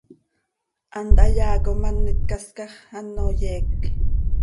Hant hayaa com an itcascax, ano yeec.